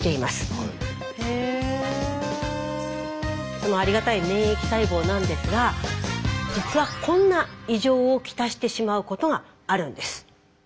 とてもありがたい免疫細胞なんですが実はこんな異常をきたしてしまうことがあるんです。